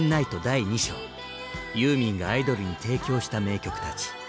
第２章ユーミンがアイドルに提供した名曲たち。